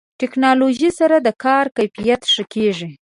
ټکنالوژي سره د کار کیفیت ښه کېږي.